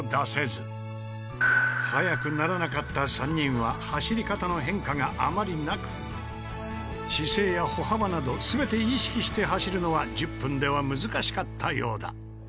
速くならなかった３人は走り方の変化があまりなく姿勢や歩幅など全て意識して走るのは１０分では難しかったようだ。